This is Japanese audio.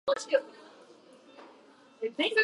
わけが分からないよ